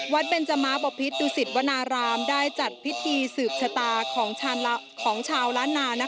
เบนจมะบพิษดุสิตวนารามได้จัดพิธีสืบชะตาของชาวล้านนา